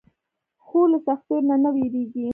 خور له سختیو نه نه وېریږي.